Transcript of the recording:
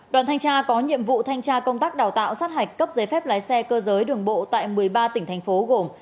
đoàn thanh tra có nhiệm vụ thanh tra công tác đào tạo sát hạch cấp giấy phép lái xe cơ giới đường bộ tại một mươi ba tỉnh thành phố gồm